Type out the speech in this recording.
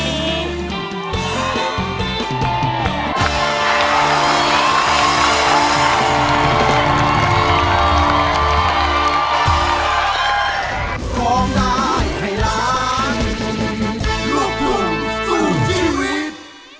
อีกอย่างคือหนูอยากเป็นแฟนอาย